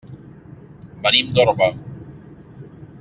Venim d'Orba.